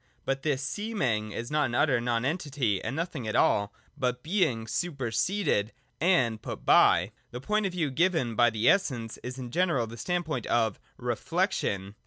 But this seem ing is not an utter nonentity and nothing at all, but Being superseded and put by. The point of view given by the Essence is in general the standpoint of ' Reflection.'